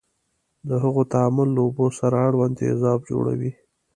د هغو تعامل له اوبو سره اړوند تیزاب جوړوي.